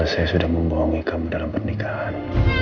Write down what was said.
karena aku sudah membohongi kamu dalam pernikahan